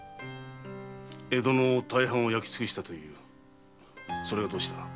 江戸の大半を焼きつくしたというそれがどうした？